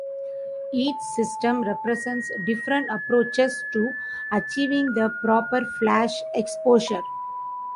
Each system represents different approaches to achieving the proper flash exposure.